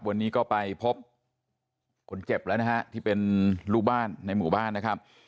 วันนี้ก็ไปพบคนเจ็บแล้วนะฮะที่เป็นลูกบ้านในหมู่บ้านนะครับ